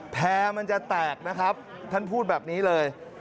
แพร่มันจะแตกนะครับท่านพูดแบบนี้เลย